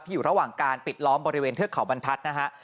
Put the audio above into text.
อยู่ระหว่างการปิดล้อมบริเวณเทือกเขาบรรทัศน์นะฮะ